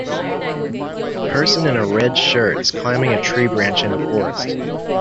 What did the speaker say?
A person in a red shirt is climbing a tree branch in a forrest.